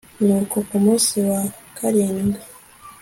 nuko ku munsi wa karindwi